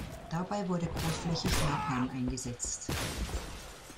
Dabei wurde großflächig Napalm eingesetzt.